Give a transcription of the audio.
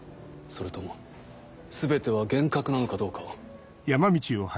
それとも全ては幻覚なのかどうかを。